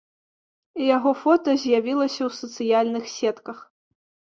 Яго фота з'явілася ў сацыяльных сетках.